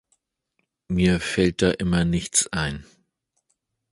Mir fällt da immer nichts ein.